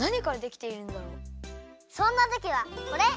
そんなときはこれ！